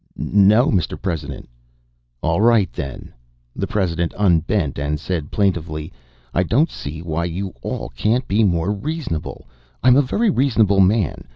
"No, Mr. President." "All right, then." The President unbent and said plaintively: "I don't see why you can't all be more reasonable. I'm a very reasonable man.